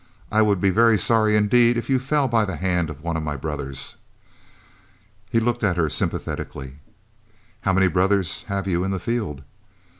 "I would be very sorry indeed if you fell by the hand of one of my brothers." He looked at her sympathetically. "How many brothers have you in the field?"